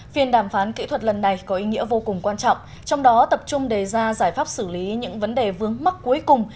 phiên đàm phán kỹ thuật lần này có ý nghĩa vô cùng quan trọng trong đó tập trung đề ra giải pháp xử lý những vấn đề vướng mắc cuối cùng